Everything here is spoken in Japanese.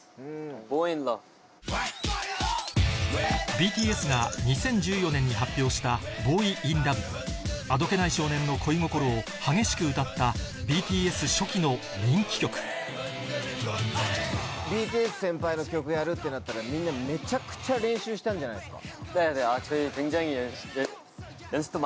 ＢＴＳが２０１４年に発表した『ＢｏｙＩｎＬｕｖ』あどけない少年の恋心を激しく歌ったＢＴＳ初期の人気曲ＢＴＳ先輩の曲やるってなったらみんなめちゃくちゃ練習したんじゃないんですか？